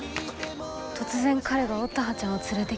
突然彼が乙葉ちゃんを連れてきて。